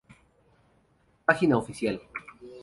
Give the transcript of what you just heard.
Página oficial